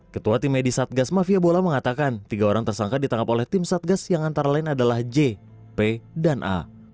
ketua tim medis satgas mafia bola mengatakan tiga orang tersangka ditangkap oleh tim satgas yang antara lain adalah j p dan a